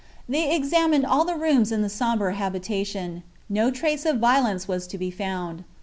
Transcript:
They examined all the rooms in the somber habitation. No trace of violence was to be found.